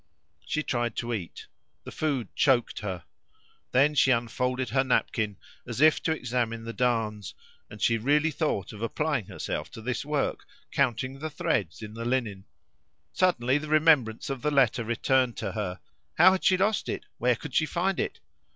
She tried to eat. The food choked her. Then she unfolded her napkin as if to examine the darns, and she really thought of applying herself to this work, counting the threads in the linen. Suddenly the remembrance of the letter returned to her. How had she lost it? Where could she find it?